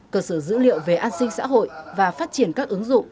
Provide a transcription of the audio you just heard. cơ sở dữ liệu về an sinh xã hội và phát triển các ứng dụng